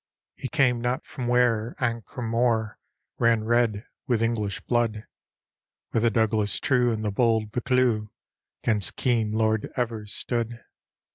He came not from where Ancram Moor Ran red with Enghsh blood; Where the Douglas true and the bold Buccleuch, 'Gainst keen Lord Evcrs stood.